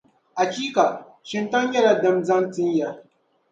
Achiika! Shintaŋ nyɛla dim’ zaŋ tin ya.